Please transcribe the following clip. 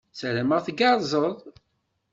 Ssarameɣ tgerrzed.